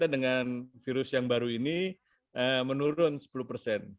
dan virus yang baru ini menurun sepuluh persen